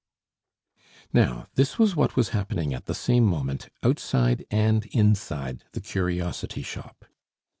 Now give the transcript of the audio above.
Now, this was what was happening at the same moment outside and inside the curiosity shop.